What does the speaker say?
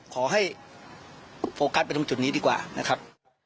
ขอให้โฟกัสไปตรงจุดนี้ดีกว่านะครับ